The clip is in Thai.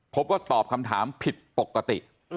พบว่าตอบคำถามผิดปกติ